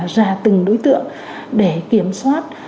ra từng đối tượng để kiểm soát